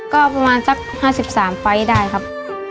ก็ประมาณสัก๕๓ไฟล์ได้ครับ